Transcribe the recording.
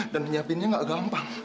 dan nyiapinnya gak gampang